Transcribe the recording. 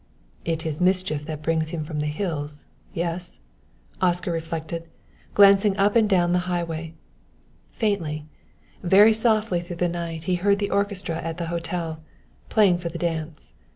"It is mischief that brings him from the hills yes?" Oscar reflected, glancing up and down the highway. Faintly very softly through the night he heard the orchestra at the hotel, playing for the dance.